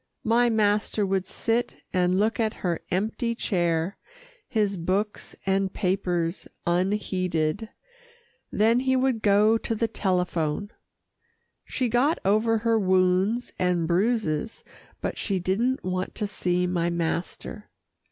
My master would sit and look at her empty chair, his books and papers unheeded, then he would go to the telephone. She got over her wounds and bruises, but she didn't want to see my master.